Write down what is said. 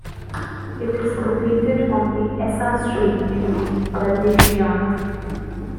It is located on the Essa stream in the Valdichiana.